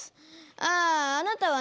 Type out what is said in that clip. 「あああなたはね